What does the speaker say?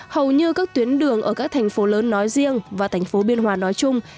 hầu như các tuyến đường ở các thành phố lớn nói riêng và thành phố biên hòa nói chung